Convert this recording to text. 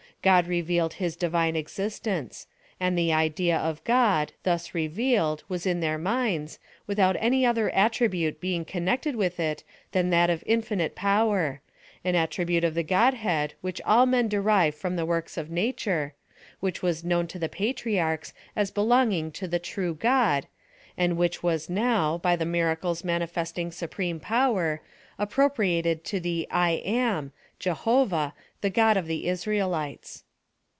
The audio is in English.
God revealed his Divine existence ; and tJie idea of God, thus revealed, was in their minds, without any other at tribute being connected with it than that of infinite fX)wer an attribute of tlie Godhead which all men derive from the works of nature — wliich was known to the Patriarchs as belonging to the true God, and which was now, by the miracles manifesting su preme power, appropriated to I am— Jehovah~tho God of the Israelites.